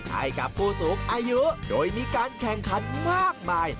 ให้กับผู้สูงอายุโดยมีการแข่งขันมากมาย